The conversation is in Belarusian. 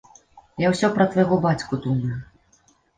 Я ўсё пра твайго бацьку думаю.